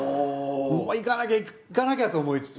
行かなきゃ行かなきゃと思いつつ。